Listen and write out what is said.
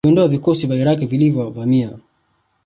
kuviondoavikosi vya Iraq vilivyo vamia